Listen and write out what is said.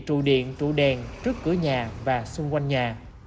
trụ điện trụ đèn trước cửa nhà và xung quanh nhà